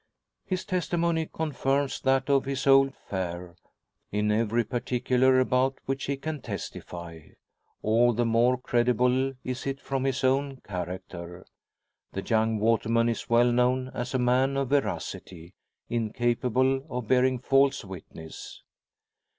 His testimony confirms that of his old fare in every particular about which he can testify. All the more credible is it from his own character. The young waterman is well known as a man of veracity incapable of bearing false witness.